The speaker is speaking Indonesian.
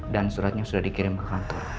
dan suratnya sudah dikirim ke kantor